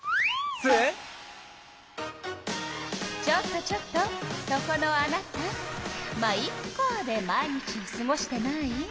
ちょっとちょっとそこのあなた「ま、イッカ」で毎日をすごしてない？